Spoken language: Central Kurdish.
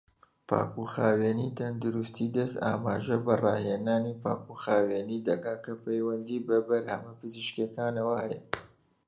پاکوخاوێنی تەندروستی دەست ئاماژە بە ڕاهێنانی پاکوخاوێنی دەکات کە پەیوەندی بەرهەمە پزیشکیەکانەوە هەیە.